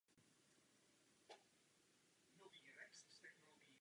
Jednotka má tři dvojice sběračů pro jednotlivé napájecí systémy.